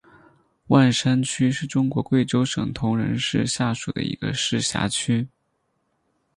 万山区是中国贵州省铜仁市下属的一个市辖区。